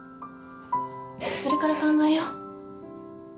それから考えよう。